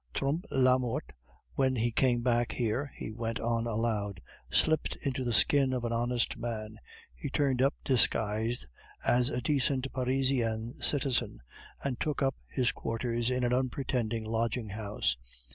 Trompe la Mort, when he came back here," he went on aloud "slipped into the skin of an honest man; he turned up disguised as a decent Parisian citizen, and took up his quarters in an unpretending lodging house.